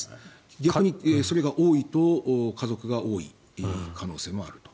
逆にそれが多いと家族が多い可能性もあると。